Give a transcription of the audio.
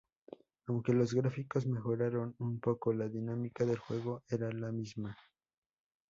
Aunque los gráficos mejoraron un poco, la dinámica del juego era la misma.